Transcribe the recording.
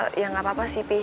eh ya gak apa apa sih pi